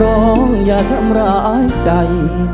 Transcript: ขอร้องอย่าทำร้ายใจ